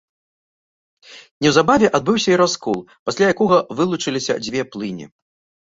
Неўзабаве адбыўся і раскол, пасля якога вылучыліся дзве плыні.